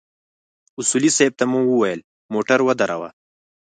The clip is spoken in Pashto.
اصولي صیب ته مو وويل موټر ودروه.